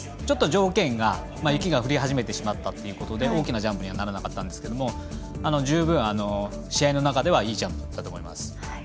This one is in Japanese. ちょっと条件が雪が降り始めてしまったということで大きなジャンプにはならなかったんですけれども十分、試合の中ではいいジャンプだと思います。